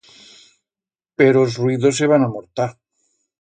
Pero els ruidos se van amortar.